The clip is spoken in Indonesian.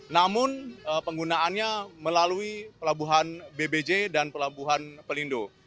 namun penggunaannya melalui pelabuhan bbj dan pelabuhan pelindo